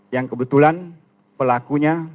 yang kebetulan pelakunya